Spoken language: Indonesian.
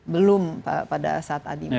belum pada saat adi